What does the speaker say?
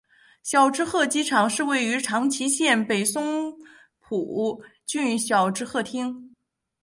小值贺机场是位于长崎县北松浦郡小值贺町。